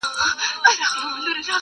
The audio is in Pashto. • ګیله مي ډېره درنه کيږي آشنا..